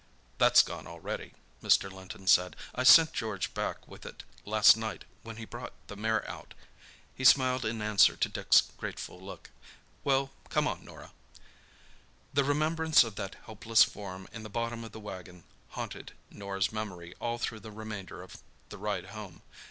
"That's gone already," Mr. Linton said. "I sent George back with it last night when he brought the mare out." He smiled in answer to Dick's grateful look. "Well, come on, Norah." The remembrance of that helpless form in the bottom of the wagon haunted Norah's memory all through the remainder of the ride home.